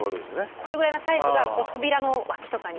これぐらいのサイズが扉の脇とかに。